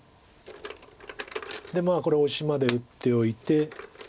でこれオシまで打っておいて。